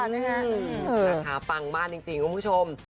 นะคะปังมากจริงคุณผู้ชม